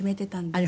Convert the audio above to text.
あれ